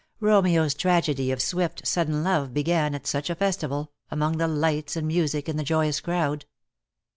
Romeo's tragedy of swift, sudden love began at such a festival, among the lights and music in the joyous crowd.